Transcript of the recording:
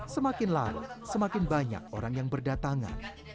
semakin lama semakin banyak orang yang berdatangan